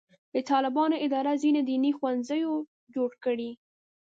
د طالبانو اداره ځینې دیني ښوونځي جوړ کړي.